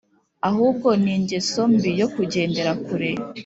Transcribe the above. ahubwo ni ingeso mbi yo kugendera kure